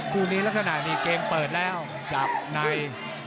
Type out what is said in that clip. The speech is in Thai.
คู่นี้ลักษณะนี้เกมเปิดแล้วจับใน